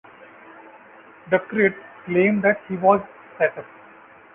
Ducruet claimed that he was set up.